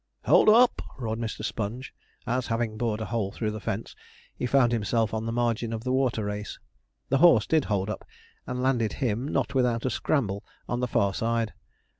'Hold up!' roared Mr. Sponge, as, having bored a hole through the fence, he found himself on the margin of the water race. The horse did hold up, and landed him not without a scramble on the far side.